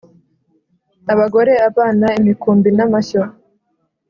abagore, abana, imikumbi n’amashyo,